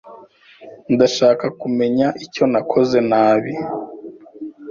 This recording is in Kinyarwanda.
Ndashaka kumenya icyo nakoze nabi.